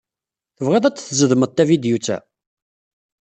Tebɣiḍ ad d-tzedmeḍ tavidyut-a?